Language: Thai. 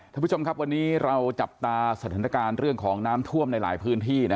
ท่านผู้ชมครับวันนี้เราจับตาสถานการณ์เรื่องของน้ำท่วมในหลายพื้นที่